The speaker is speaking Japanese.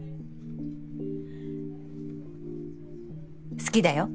好きだよ。